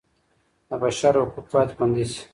د بشر حقوق باید خوندي سي.